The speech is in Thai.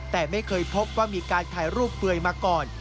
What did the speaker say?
แต่ไม่เคยพบว่ามีการถ่ายรูปเปลือยมาก่อน